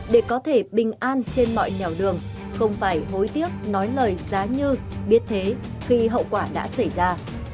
để có thể bình an trên mọi nẻo đường không phải hối tiếc nói lời giá như biết thế khi hậu quả đã xảy ra